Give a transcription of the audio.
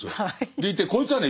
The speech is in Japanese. でいてこいつはね